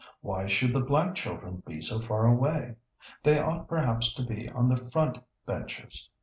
Why should the black children be so far away? They ought perhaps to be on the front benches.